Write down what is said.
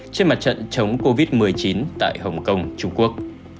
trên mặt trận chống covid một mươi chín tại hồng kông trung quốc